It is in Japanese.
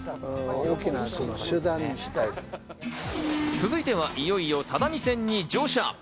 続いては、いよいよ只見線に乗車。